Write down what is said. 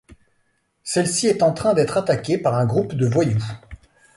Celle-ci est en train d'être attaquée par un groupe de voyous.